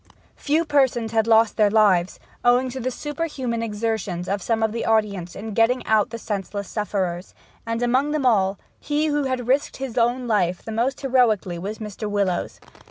Few persons had lost their lives, owing to the superhuman exertions of some of the audience in getting out the senseless sufferers; and, among them all, he who had risked his own life the most heroically was Mr. Willowes.